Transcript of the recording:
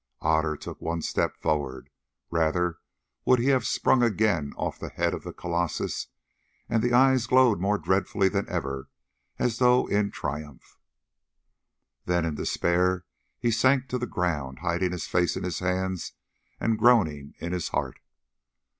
Otter took one step forward—rather would he have sprung again off the head of the colossus—and the eyes glowed more dreadfully than ever, as though in triumph. Then in despair he sank to the ground, hiding his face in his hands and groaning in his heart.